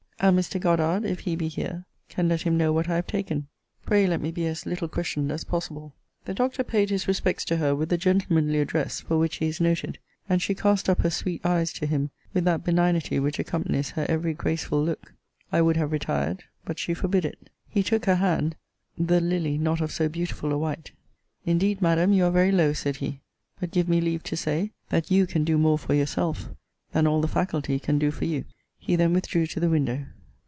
And Mr. Goddard, if he be here, can let him know what I have taken. Pray let me be as little questioned as possible. The Doctor paid his respects to her with the gentlemanly address for which he is noted: and she cast up her sweet eyes to him with that benignity which accompanies her every graceful look. I would have retired: but she forbid it. He took her hand, the lily not of so beautiful a white: Indeed, Madam, you are very low, said he: but give me leave to say, that you can do more for yourself than all the faculty can do for you. He then withdrew to the window.